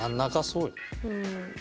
うん。